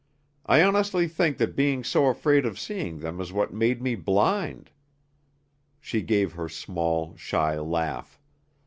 I honestly think that being so afraid of seeing them is what made me blind!" She gave her small, shy laugh.